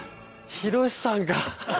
ヒロシさんか！